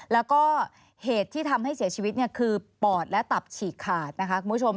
แล้วก็เหตุที่ทำให้เสียชีวิตคือปอดและตับฉีกขาดนะคะคุณผู้ชม